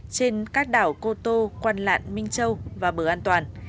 trên các đảo cô tô quan lạn minh châu và bờ an toàn